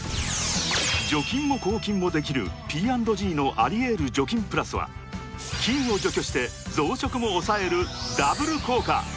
除菌も抗菌もできるＰ＆Ｇのアリエール除菌プラスは菌を除去して増殖も抑えるＷ効果！